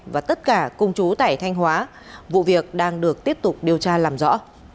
và tất cả công chú tải thanh hóa vụ việc đang được tiếp tục điều tra làm rõ